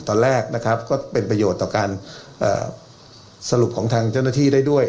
ตอนแรกนะครับก็เป็นประโยชน์ต่อการสรุปของทางเจ้าหน้าที่ได้ด้วย